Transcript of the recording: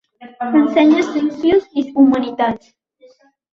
Ensenya ciències i humanitats.